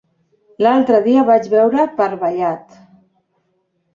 L'altre dia el vaig veure per Vallat.